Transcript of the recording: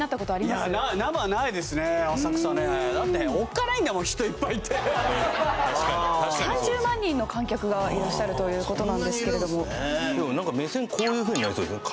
すごいねすごいな土曜深夜に浅草ねだって確かに確かにそうですね３０万人の観客がいらっしゃるということなんですけれども何か目線こういうふうになりそうですね